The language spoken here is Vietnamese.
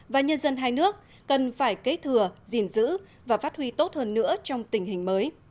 và nhân dân hai nước cần phải kế thừa gìn giữ và phát huy tốt hơn nữa trong tình hình mới